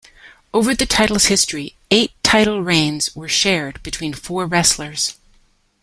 Over the title's history, eight title reigns were shared between four wrestlers.